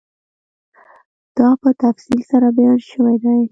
دا په تفصیل سره بیان شوی دی